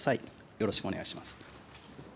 よろしくお願いします。